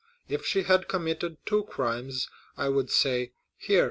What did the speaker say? If she had committed two crimes, I would say, 'Here, M.